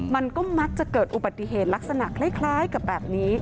มันก็มักจะเกิดอุบัติเหตุลักษณะคล้ายกับแบบนี้